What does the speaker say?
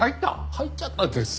入っちゃったんです。